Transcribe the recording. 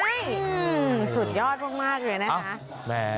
อืมสุดยอดมากเลยนะครับ